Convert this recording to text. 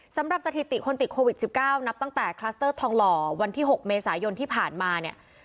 สถิติคนติดโควิด๑๙นับตั้งแต่คลัสเตอร์ทองหล่อวันที่๖เมษายนที่ผ่านมาเนี่ย